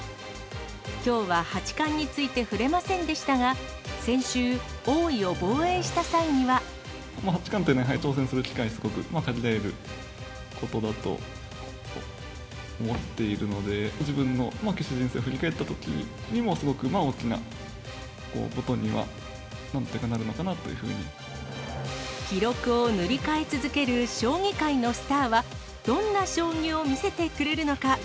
きょうは八冠について触れませんでしたが、先週、八冠というのは、やはり挑戦する機会が限られることだと思っているので、自分の棋士人生を振り返ったときにも、すごく大きなことにはなる記録を塗り替え続ける将棋界のスターは、どんな将棋を見せてくれるのか。